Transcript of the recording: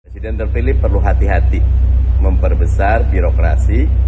presiden terpilih perlu hati hati memperbesar birokrasi